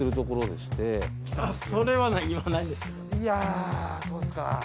いやそうすか。